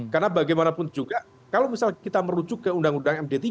karena bagaimanapun juga kalau misalnya kita merujuk ke undang undang md tiga